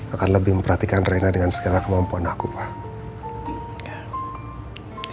akan lebih memperhatikan reina dengan segala kemampuan aku pak